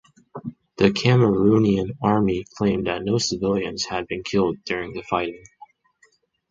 The Cameroonian Army claimed that no civilians had been killed during the fighting.